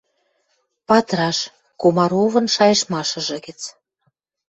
Патраш, «Комаровын шайыштмашыжы» гӹц.